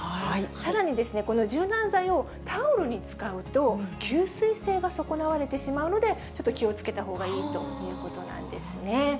さらにですね、この柔軟剤をタオルに使うと、吸水性が損なわれてしまうので、ちょっと気をつけたほうがいいということなんですね。